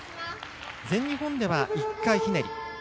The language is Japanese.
全日本では１回ひねり。